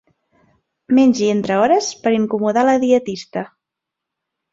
Mengi entre hores per incomodar la dietista.